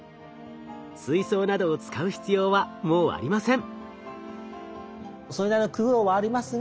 水槽などを使う必要はもうありません。